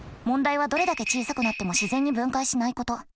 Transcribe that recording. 問題はどれだけ小さくなっても自然に分解しないこと。